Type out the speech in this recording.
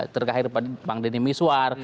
terakhir pak dini miswar